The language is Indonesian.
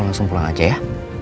langsung pulang aja ya